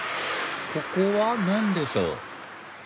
ここは何でしょう？